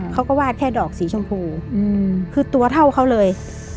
เขาก็วาดแค่ดอกสีชมพูคือตัวเท่าเขาเลย